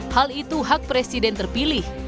hal itu hak presiden terpilih